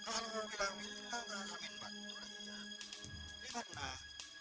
alhamdulillah saya sihat pak